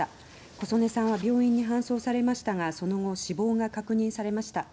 小曽根さんは病院に搬送されましたがその後、死亡が確認されました。